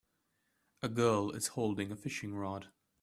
A girl is holding a fishing rod.